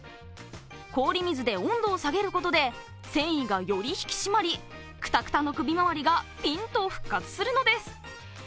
氷水で温度を下げることで繊維がより引き締まりクタクタの首回りがピンと復活するのです。